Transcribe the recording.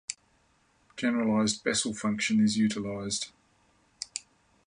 Generalized Bessel function is utilized.